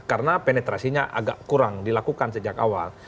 karena penetrasinya agak kurang dilakukan sejak awal